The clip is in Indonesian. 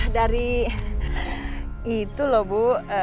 dari itu loh bu